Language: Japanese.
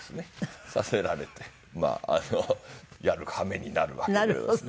させられてまあやるはめになるわけですね。